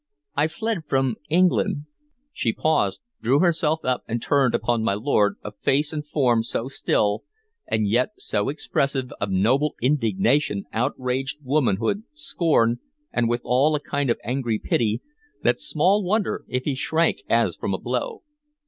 I fled from England" She paused, drew herself up, and turned upon my lord a face and form so still, and yet so expressive of noble indignation, outraged womanhood, scorn, and withal a kind of angry pity, that small wonder if he shrank as from a blow.